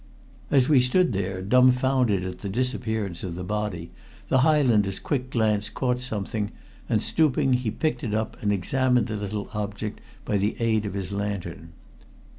As we stood there dumbfounded at the disappearance of the body, the Highlander's quick glance caught something, and stooping he picked it up and examined the little object by the aid of his lantern.